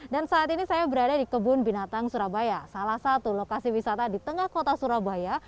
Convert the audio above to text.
dan saat ini saya berada di kebun binatang surabaya salah satu lokasi wisata di tengah kota surabaya